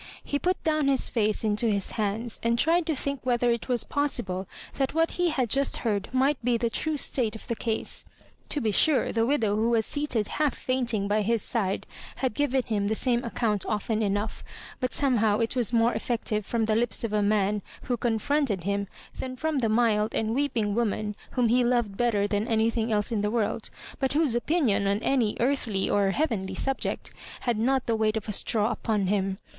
He put down his face into his hands, and tried to think whether it was possible that what he had just heard might be the true state of the case. To be sure, the widow who was seated half fainting by his side had given him the same account ofSn enough, but somehow it was more effective from the lips of a man who confronted him than from the mild and weeping woman whom he loved better than anything else in the world, but whose opinion on any earthly (or heavenly) subject had not the weight of a straw upon him.